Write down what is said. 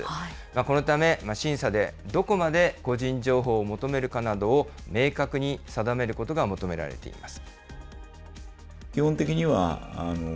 このため、審査でどこまで個人情報を求めるかなどを明確に定めることが求められています。